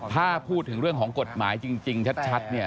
ถ้าพูดถึงเรื่องของกฎหมายจริงชัดเนี่ย